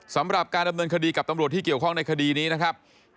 สำหรับการดำเนินคดีกับตำรวจที่เกี่ยวข้องในคดีนี้นะครับ